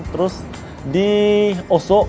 terus di oso